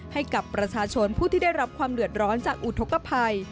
ให้กับประชาชนผู้ที่ได้รับความเดือดร้อนจากอุทธกภัย